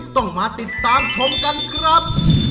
ต้องมาติดตามชมกันครับ